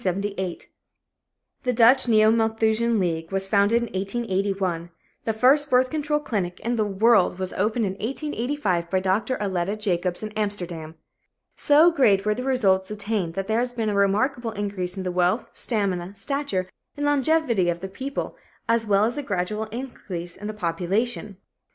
The Dutch Neo Malthusian League was founded in 1881. The first birth control clinic in the world was opened in 1885 by Dr. Aletta Jacobs in Amsterdam. So great were the results obtained that there has been a remarkable increase in the wealth, stamina, stature and longevity of the people, as well as a gradual increase in the population.